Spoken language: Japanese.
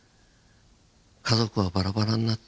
「家族はバラバラになって